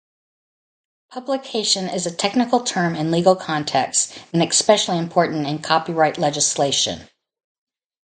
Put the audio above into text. "Publication" is a technical term in legal contexts and especially important in copyright legislation.